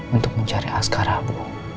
untuk mencari askar abu